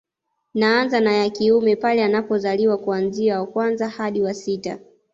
Naanza na ya kiume pale anapozaliwa kuanzia wa kwanza hadi wa wa sita